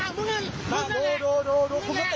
ดูดูดูดูดูคุ้มสติกไม่ได้นะครับ